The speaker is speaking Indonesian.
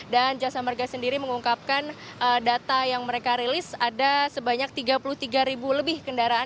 dan jasa marga sendiri mengungkapkan data yang mereka rilis ada sebanyak tiga puluh tiga ribu lebih kendaraan